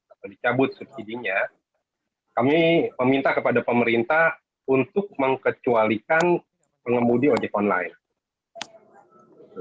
atau dicabut subsidinya kami meminta kepada pemerintah untuk mengecualikan pengemudi ojek online